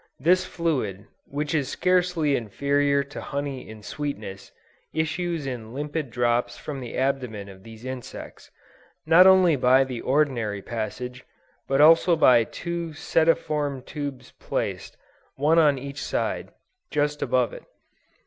This fluid, which is scarcely inferior to honey in sweetness, issues in limpid drops from the abdomen of these insects, not only by the ordinary passage, but also by two setiform tubes placed, one on each side, just above it.